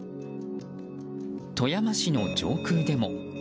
富山市の上空でも。